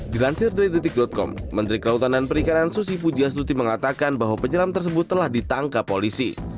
dilansir dari detik com menteri kelautan dan perikanan susi pujiastuti mengatakan bahwa penyelam tersebut telah ditangkap polisi